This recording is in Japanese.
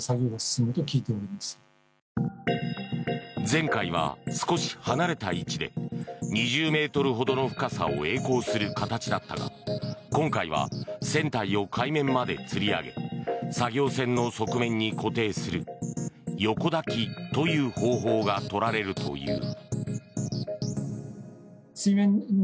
前回は少し離れた位置で２０ｍほどの深さをえい航する形だったが今回は船体を海面までつり上げ作業船の側面に固定する横抱きという方法が取られるという。